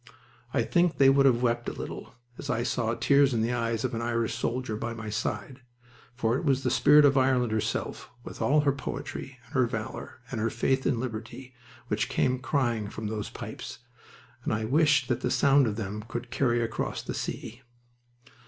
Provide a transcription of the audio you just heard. I think they would have wept a little, as I saw tears in the eyes of an Irish soldier by my side, for it was the spirit of Ireland herself, with all her poetry, and her valor, and her faith in liberty, which came crying from those pipes, and I wished that the sound of them could carry across the sea.